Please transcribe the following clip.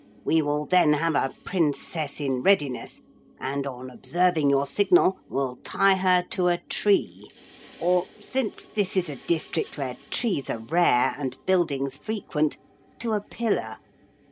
We will then have a princess in readiness, and on observing your signal will tie her to a tree, or, since this is a district where trees are rare and buildings frequent, to a pillar.